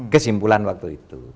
kesimpulan waktu itu